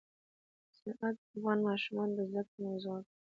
زراعت د افغان ماشومانو د زده کړې موضوع ده.